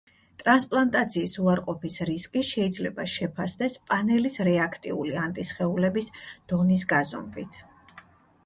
ტრანსპლანტაციის უარყოფის რისკი შეიძლება შეფასდეს პანელის რეაქტიული ანტისხეულების დონის გაზომვით.